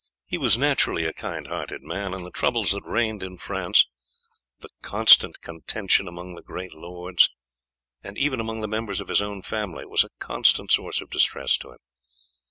He was naturally a kind hearted man, and the troubles that reigned in France, the constant contention among the great lords, and even among the members of his own family, were a constant source of distress to him.